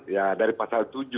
ya dari pasal tujuh